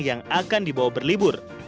yang akan dibawa berlibur